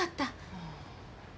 ああ。